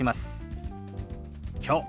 「きょう」。